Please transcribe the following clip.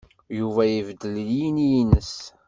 Yuba ibeddel yini-nnes.